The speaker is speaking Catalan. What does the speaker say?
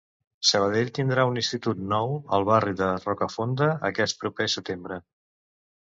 Sabadell tindrà un institut nou al barri de Rocafonda aquest proper setembre.